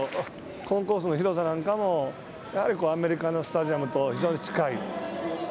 コンコースの広さなんかもやはりアメリカのスタジアムと非常に近い。